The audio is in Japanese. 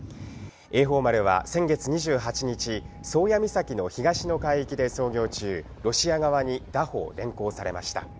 榮寳丸は先月２８日、宗谷岬の東の海域で操業中、ロシア側にだ捕・連行されました。